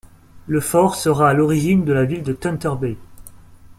Le fort sera à l'origine de la ville de Thunder Bay.